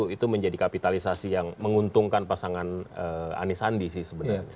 itu menjadi kapitalisasi yang menguntungkan pasangan anisandi sih sebenarnya